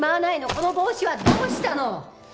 この帽子はどうしたの！？